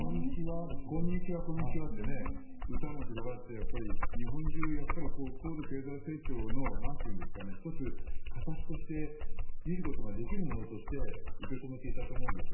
こんにちは、こんにちはって歌も広がって日本中、高度経済成長の１つ、形として見ることができるものとして受け止めていたと思うんです。